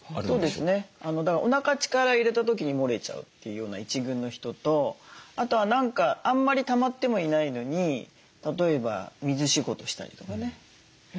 そうですねだからおなか力入れた時にもれちゃうというような一群の人とあとは何かあんまりたまってもいないのに例えば水仕事したりとかね